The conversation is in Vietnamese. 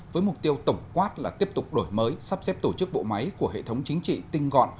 với mục tiêu tổng quát là tiếp tục đổi mới sắp xếp tổ chức bộ máy của hệ thống chính trị tinh gọn